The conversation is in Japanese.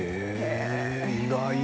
意外。